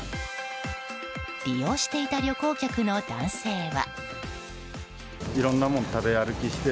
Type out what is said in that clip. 利用していた旅行客の男性は。